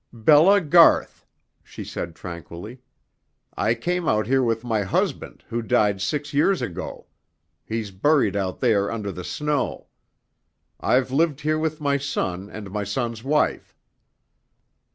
"Bella Garth," she said tranquilly. "I came out here with my husband, who died six years ago. He's buried out there under the snow. I've lived here with my son and my son's wife."